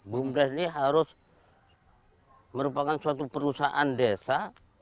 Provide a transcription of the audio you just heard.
bumdes ini harus merupakan suatu perusahaan desa